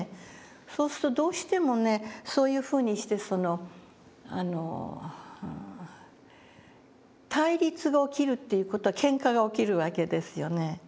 そうするとどうしてもねそういうふうにして対立が起きるっていう事はけんかが起きるわけですよね。